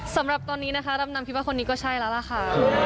สำหรับตอนนี้นะคะดำน้ำคิดว่าคนนี้ก็ใช่แล้วล่ะค่ะ